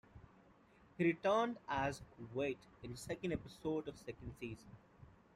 He returned as Wade in the second episode of the second season.